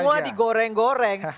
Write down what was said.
jangan semua digoreng goreng